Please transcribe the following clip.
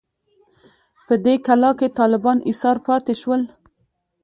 په دې کلا کې طالبان ایسار پاتې شول.